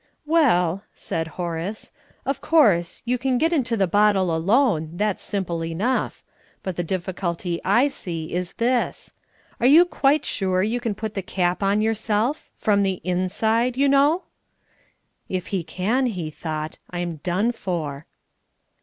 "Well," said Horace, "of course, you can get into the bottle alone that's simple enough. But the difficulty I see is this: Are you quite sure you can put the cap on yourself from the inside, you know?" If he can, he thought, "I'm done for!"